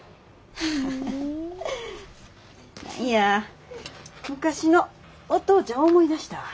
何や昔のお父ちゃん思い出したわ。